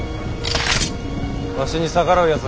わしに逆らうやつは斬る。